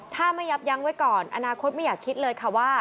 ถ้าไม่ยับยั้งไว้ก่อนอนาคตไม่อยากคิดเลยค่ะว่า